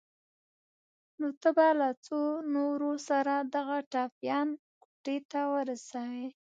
نو ته به له څو نورو سره دغه ټپيان کوټې ته ورسوې.